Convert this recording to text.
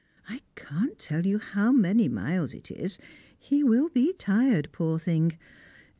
I can't tell you how many miles it is; he will be tired, poor thing.